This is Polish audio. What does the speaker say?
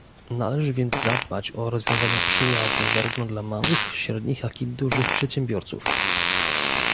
Należy więc zadbać o rozwiązania przyjazne zarówno dla małych, średnich, jak i dużych przedsiębiorców